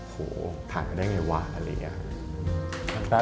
โหม่งงงผ่านไปได้ง่ายวะ